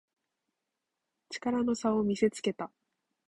力の差を見せつけた